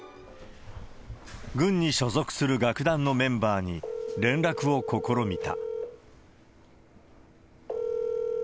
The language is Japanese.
軍に所属する楽団のメンバーに、連絡を試みた。